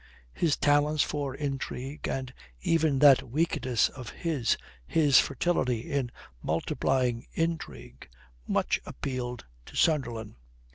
His talents for intrigue and even that weakness of his, his fertility in multiplying intrigue, much appealed to Sunderland.